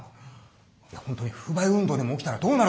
本当に不買運動でも起きたらどうなると思ってんの。